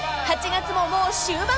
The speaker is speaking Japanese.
［８月ももう終盤！